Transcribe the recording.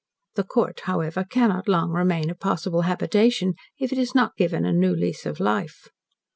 The Court, however, cannot long remain a possible habitation, if it is not given a new lease of life.